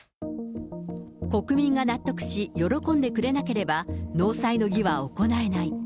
国民が納得し喜んでくれなければ、納采の儀は行えない。